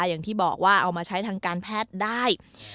อย่างที่บอกว่าเอามาใช้ทางการแพทย์ได้